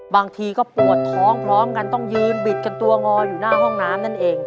บางทีก็ปวดท้องพร้อมกันต้องยืนบิดกันตัวงออยู่หน้าห้องน้ำนั่นเอง